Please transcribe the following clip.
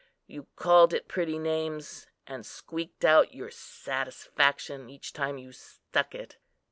You called it pretty names, and squeaked out your satisfaction each time you stuck it.